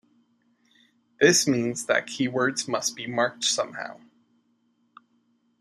This means that keywords must be marked somehow.